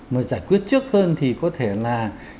mà giải quyết trước hơn thì có thể là